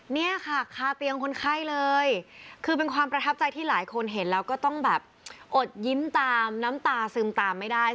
เนี่ยค่ะคาเตียงคนไข้เลยคือเป็นความประทับใจที่หลายคนเห็นแล้วก็ต้องแบบอดยิ้มตามน้ำตาซึมตามไม่ได้